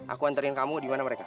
aku anterin kamu dimana mereka